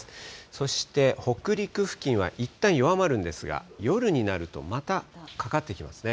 そして北陸付近はいったん弱まるんですが、夜になると、またかかってきますね。